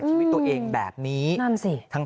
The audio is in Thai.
ชีวิตตัวเองแบบนี้นั่นสิ